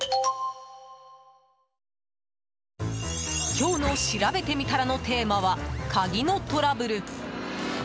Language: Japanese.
今日のしらべてみたらのテーマは鍵のトラブル。